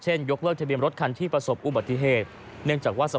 เช่นยกเลิกทะเบีมรถคนที่ประสบอุบัติเหตุ